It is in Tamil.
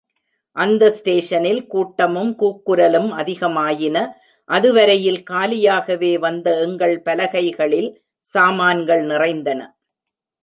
அந்த ஸ்டேஷனில் கூட்டமும், கூக்குரலும் அதிகமாயின அதுவரையில் காலியாகவே வந்த எங்கள் பலகைகளில் சாமான்கள் நிறைந்தன.